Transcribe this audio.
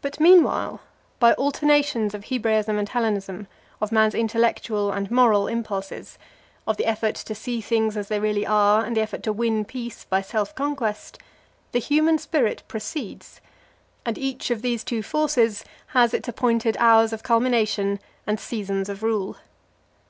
But meanwhile, by alternations of Hebraism and Hellenism, of man's intellectual and moral impulses, of the effort to see things as they really are, and the effort to win peace by self conquest, the human spirit proceeds, and each of these two forces has its appointed hours of culmination and seasons of rule.